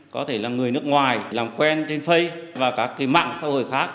có thể là người nước ngoài làm quen trên facebook và các cái mạng xã hội khác